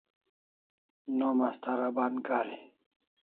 Nom as thara ban kari